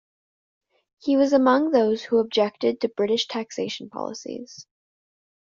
He was among those who objected to British taxation policies.